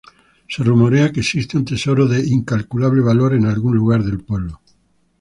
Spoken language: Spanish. Se rumorea que existe un tesoro de incalculable valor en algún lugar del pueblo.